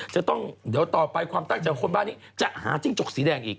จะต้องเดี๋ยวต่อไปความตั้งใจของคนบ้านนี้จะหาจิ้งจกสีแดงอีก